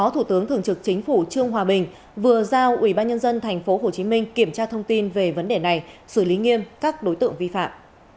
thường trực chính phủ trương hòa bình vừa giao ủy ban nhân dân tp hcm kiểm tra thông tin về vấn đề này xử lý nghiêm các đối tượng vi phạm